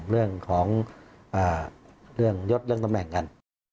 เรื่องของเรื่องยดเรื่องตำแหน่งกัน